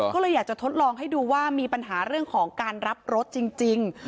ก็เลยอยากจะทดลองให้ดูว่ามีปัญหาเรื่องของการรับรถจริง